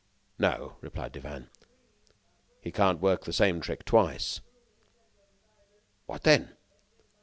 "No," replied Devanne, "he can't work the same trick twice." "What then?"